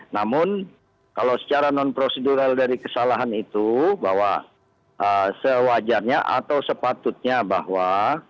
namun kalau secara non prosedural dari kesalahan itu bahwa sewajarnya atau sepatutnya bahwa